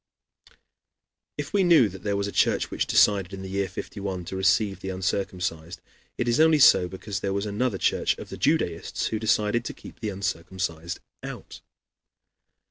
If we knew that there was a church which decided in the year 51 to receive the uncircumcised, it is only so because there was another church of the Judaists who decided to keep the uncircumcised out.